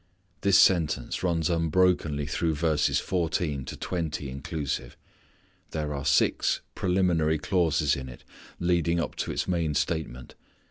This sentence runs unbroken through verses fourteen to twenty inclusive. There are six preliminary clauses in it leading up to its main statement.